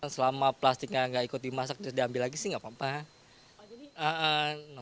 selama plastiknya enggak ikuti dimasak terus diambil lagi sih enggak apa apa